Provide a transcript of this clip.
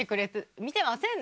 見てませんね？